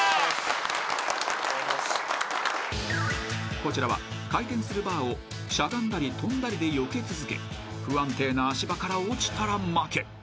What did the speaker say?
［こちらは回転するバーをしゃがんだり跳んだりでよけ続け不安定な足場から落ちたら負け］